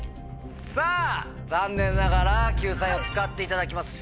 さぁ残念ながら救済を使っていただきます。